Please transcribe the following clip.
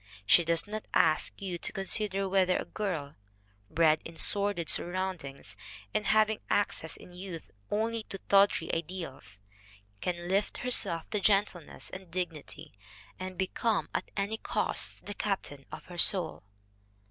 She does not ask you to consider whether a girl, bred in sordid surroundings and having access in youth only to tawdry ideals, can lift herself to gentleness and dignity and become, at any cost, the captain of her soul.